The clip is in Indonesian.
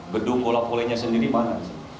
gedung bola volleynya sendiri mana